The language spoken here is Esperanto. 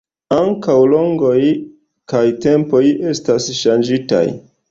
Ankaŭ longoj kaj tempoj estas ŝanĝitaj.